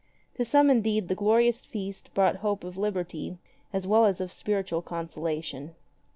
To some, indeed, the glorious feast brought hope of liberty, as well as of spiritual consolation.